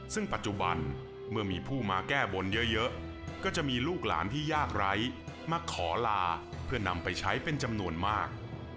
ซึ่งปัจจุบันเมื่อมีผู้มาแก้บนเยอะก็จะมีลูกหลานที่ยากไร้มาขอลาเพื่อนำไปใช้เป็นจำนวนมาก